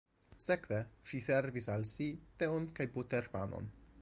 Sekve ŝi servis al si teon kaj buterpanon.